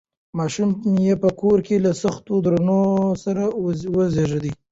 ماشوم یې په کور کې له سختو دردونو سره وزېږېد.